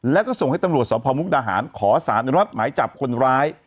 แล้วก็ส่งให้ตำรวจสอบภาวมุกนาหารขอสานรับหมายจับคนร้าย